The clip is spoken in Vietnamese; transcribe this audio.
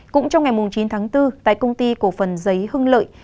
cũng trong ngày chín tháng bốn tại công ty cổ phần giấy hưng lợi